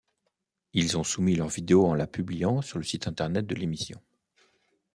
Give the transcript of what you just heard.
Ils ont soumis leur vidéo en la publiant sur le site internet de l'émission.